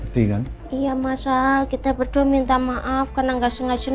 tiga iya mas al kita berdua minta maaf karena nggak sengaja mengaja